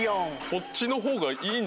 こっちの方がいいんじゃ。